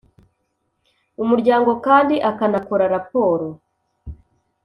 Umuryango kandi akanakora raporo